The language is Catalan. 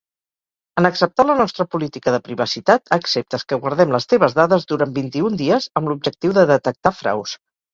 En acceptar la nostra política de privacitat, acceptes que guardem les teves dades durant vint-i-un dies amb l'objectiu de detectar fraus.